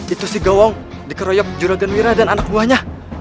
itu si gawang dikeroyok juraganwira dan anak buahnya